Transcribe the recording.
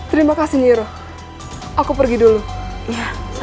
ini saja yang harus aku lakai untuk cervical circus